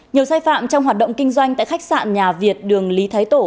nhiều sai phạm trong hoạt động kinh doanh tại khách sạn nhà việt đường lý thái tổ